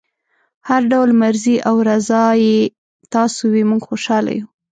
هر ډول مرضي او رضای تاسو وي موږ خوشحاله یو.